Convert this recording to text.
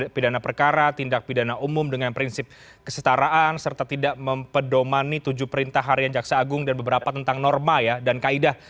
pidana perkara tindak pidana umum dengan prinsip kesetaraan serta tidak mempedomani tujuh perintah harian jaksa agung dan beberapa tentang norma dan kaidah